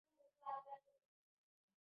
এভাবেই শহিদ হন রজত সেন।